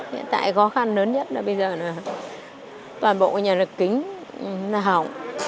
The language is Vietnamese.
hiện tại khó khăn lớn nhất là bây giờ là toàn bộ nhà lưới kính là hỏng